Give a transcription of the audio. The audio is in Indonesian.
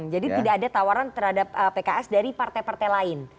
jadi tidak ada tawaran terhadap pks dari partai partai lain